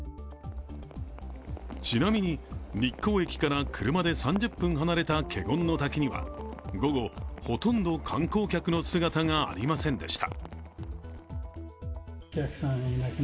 ちなみに、日光駅から車で３０分離れた華厳の滝には午後、ほとんど観光客の姿がありませんでした。